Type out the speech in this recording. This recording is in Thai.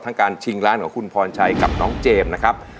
การชิงร้านของคุณพรชัยกับน้องเจมส์นะครับ